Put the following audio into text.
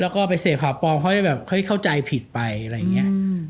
แล้วก็ไปเสพข่าวปลอมเขาจะเข้าใจผิดไปอะไรอย่างนี้